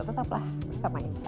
tetaplah bersama insight